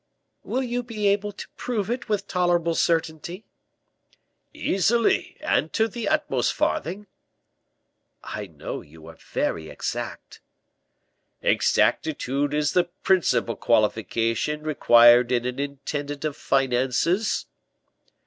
"Will you be able to prove it with tolerable certainty?" "Easily; and to the utmost farthing." "I know you are very exact." "Exactitude is the principal qualification required in an intendant of finances."